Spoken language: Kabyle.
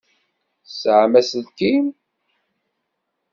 Tesεam aselkim?